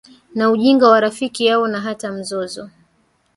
na ujinga wa rafiki yao Na hata mzozo